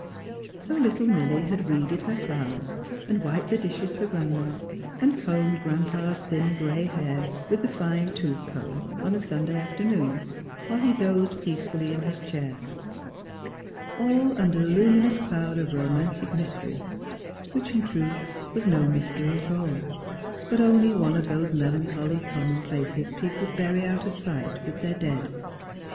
So little Milly had weeded her flowers and wiped the dishes for Grandma, and combed Grandpa's thin grey hair with the fine tooth comb of a Sun day afternoon, while he dozed peacefully in his chair — all under the luminous cloud of romantic mystery, which in truth was no mystery at all; but only one of those melancholy commonplaces people bury out of sight with their dead.